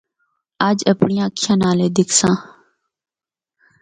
اجّ اپنڑیاں اکھّیا نال اے دِکھساں۔